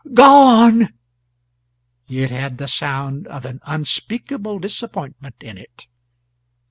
"Gone?" It had the sound of an unspeakable disappointment in it.